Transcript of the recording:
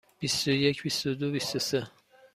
بیست و یک، بیست و دو، بیست و سه.